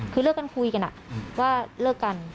คือเลิกกันคุยกันว่าเลิกกัน